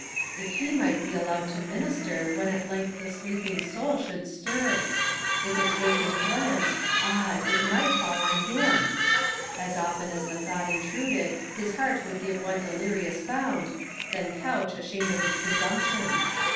If he might but be allowed to minister when at length the sleeping soul should stir! If its waking glance ah! if it might fall on him! As often as the thought intruded, his heart would give one delirious bound, then couch ashamed of its presumption.